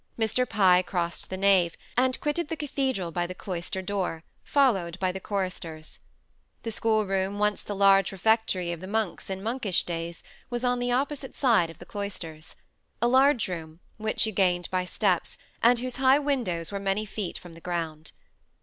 Mr. Pye crossed the nave, and quitted the cathedral by the cloister door, followed by the choristers. The schoolroom, once the large refectory of the monks in monkish days, was on the opposite side of the cloisters; a large room, which you gained by steps, and whose high windows were many feet from the ground.